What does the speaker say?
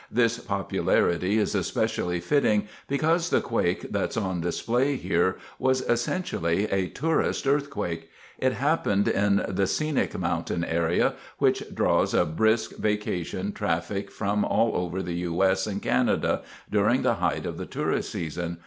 This popularity is especially fitting because the quake that's on display here was essentially a "tourist earthquake". It happened in the scenic mountain area which draws a brisk vacation traffic from all over the U. S. and Canada, during the height of the tourist season.